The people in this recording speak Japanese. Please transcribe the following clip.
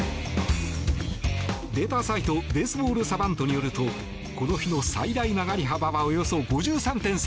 データサイトベースボール・サバントによるとこの日の最大曲がり幅はおよそ５３．３ｃｍ。